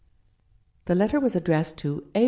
The letter was addressed to — "A.